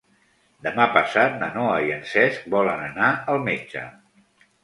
Demà passat na Noa i en Cesc volen anar al metge.